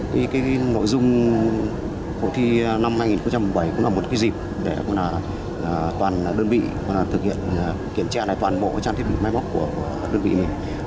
thì cái nội dung cuộc thi năm hai nghìn một mươi bảy cũng là một cái dịp để toàn đơn vị thực hiện kiểm tra lại toàn bộ trang thiết bị máy móc của đơn vị mình